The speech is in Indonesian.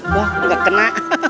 wah tidak terkena